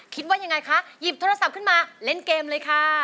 คิดว่ายังไงคะหยิบโทรศัพท์ขึ้นมาเล่นเกมเลยค่ะ